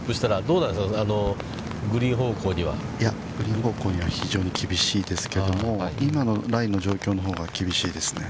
◆いや、グリーン方向には非常に厳しいですけども、今のラインの状況のほうが厳しいですね。